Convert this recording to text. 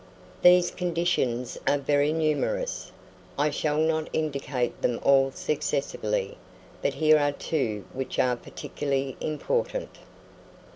These conditions are very numerous. I shall not indicate them all successively; but here are two which are particularly important.